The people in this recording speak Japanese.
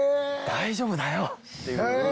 大丈夫だよ！っていう。